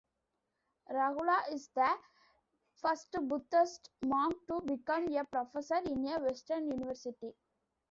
Rahula is the first Buddhist monk to become a professor in a Western University.